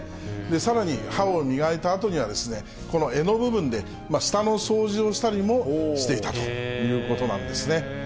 さらに、歯を磨いたあとには、この柄の部分で舌の掃除をしたりもしていたということなんですね。